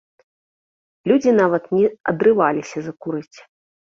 Людзі нават не адрываліся закурыць.